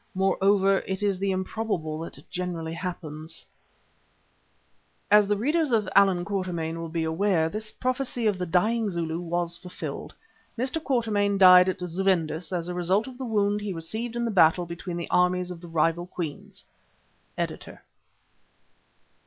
Moreover, it is the improbable that generally happens[*] [*] As the readers of "Allan Quatermain" will be aware, this prophecy of the dying Zulu was fulfilled. Mr. Quatermain died at Zuvendis as a result of the wound he received in the battle between the armies of the rival Queens. Editor.